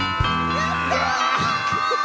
やった！